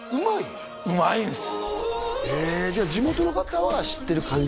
うまいんすえじゃあ地元の方は知ってる感じかな？